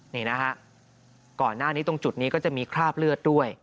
นี่นะฮะก่อนหน้านี้ตรงจุดนี้ก็จะมีคราบเลือดด้วย